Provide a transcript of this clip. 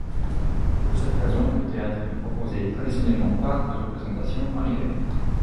Pour cette raison, le théâtre ne proposait traditionnellement pas de représentations en hiver.